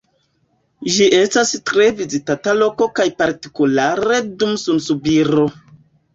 Ĝi estas tre vizitata loko kaj partikulare dum sunsubiro.